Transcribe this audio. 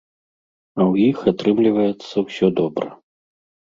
А ў іх атрымліваецца ўсё добра.